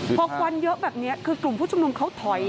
เกิดากวันเยอะแบบนี้กรุงผู้ชมนมเขาถอย